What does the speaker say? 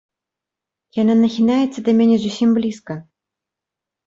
Яна нахінаецца да мяне зусім блізка.